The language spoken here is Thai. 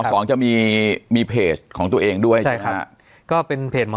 สวัสดีครับทุกผู้ชม